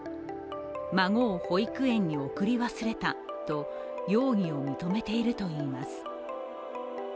孫を保育園に送り忘れたと容疑を認めているといいます。